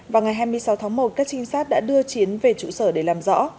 vào ngày hai mươi sáu tháng một các trinh sát đã đưa chiến về trụ sở để làm rõ